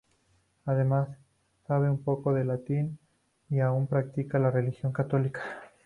Además, sabe un poco de latín y aún practica la religión católica.